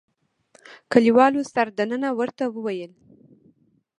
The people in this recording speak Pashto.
کلیوالو سردنه ورته ويل.